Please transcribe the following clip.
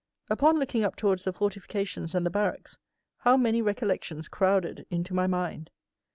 Upon looking up towards the fortifications and the barracks, how many recollections crowded into my mind!